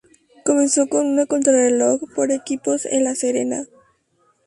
Comenzó con una contrarreloj por equipos en La Serena.